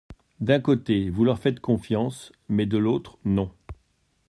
D’un côté, vous leur faites confiance mais, de l’autre, non.